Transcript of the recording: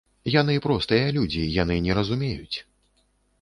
Яны простыя людзі, яны не разумеюць.